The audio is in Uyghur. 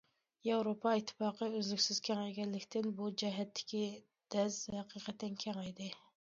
ياۋروپا ئىتتىپاقى ئۆزلۈكسىز كېڭەيگەنلىكتىن، بۇ جەھەتتىكى دەز ھەقىقەتەن كېڭەيدى.